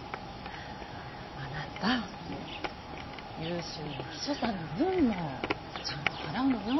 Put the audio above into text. あなた優秀な秘書さんの分もちゃんと払うのよ。